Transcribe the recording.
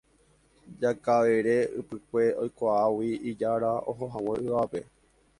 Jakavere Ypykue oikuaágui ijára ohohague yvágape